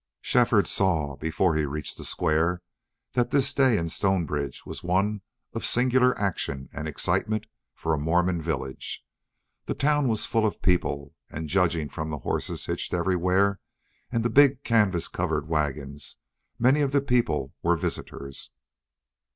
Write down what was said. Shefford saw, before he reached the square, that this day in Stonebridge was one of singular action and excitement for a Mormon village. The town was full of people and, judging from the horses hitched everywhere and the big canvas covered wagons, many of the people were visitors.